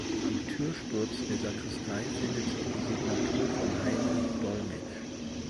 Am Türsturz der Sakristei findet sich die Signatur von Heinrich Dolmetsch.